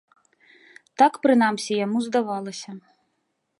Так, прынамсі, яму здавалася.